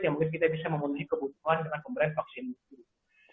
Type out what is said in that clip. ya mungkin kita bisa memenuhi kebutuhan dengan pemberian vaksin ini